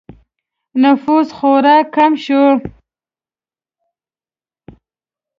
نفوس خورا کم شو